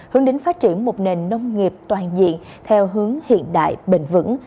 hướng đến phát triển một nền nông nghiệp toàn diện theo hướng hiện đại bền vững